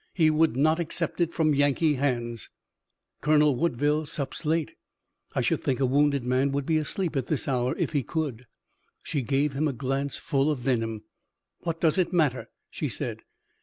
He would not accept it from Yankee hands." "Colonel Woodville sups late. I should think a wounded man would be asleep at this hour, if he could." She gave him a glance full of venom. "What does it matter?" she said.